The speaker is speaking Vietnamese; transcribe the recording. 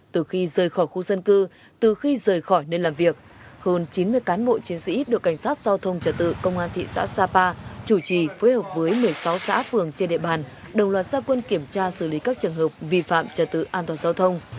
từ khi rời khỏi khu dân cư từ khi rời khỏi nơi làm việc hơn chín mươi cán bộ chiến sĩ được cảnh sát giao thông trả tự công an thị xã sapa chủ trì phối hợp với một mươi sáu xã phường trên địa bàn đồng loạt gia quân kiểm tra xử lý các trường hợp vi phạm trả tự an toàn giao thông